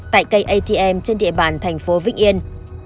tại cây atm trên địa bàn thành phố vĩnh yên